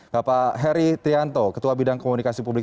bapak heri trianto ketua bidang komunikasi publik